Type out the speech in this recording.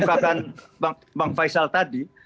seperti yang dikemukakan pak faisal tadi